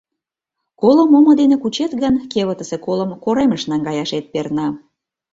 Колым омо дене кучет гын, кевытысе колым коремыш наҥгаяшет перна.